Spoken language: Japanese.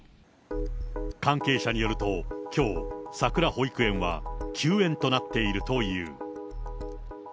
関係者によると、きょう、さくら保育園は休園となっているという。